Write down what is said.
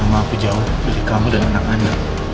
mama aku jauh dari kamu dan anak anak